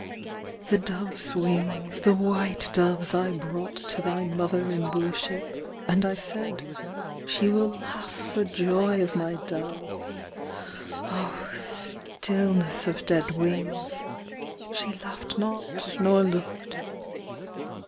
\ 4 The dove s wings, the white doves I brought to thy mother in worship; 94 And I said, she will laugh for joy of my doves. Oh, stillness Of dead wings. She laughed not nor looked.